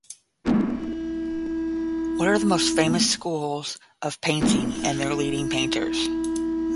What are the most famous schools of painting and their leading painters?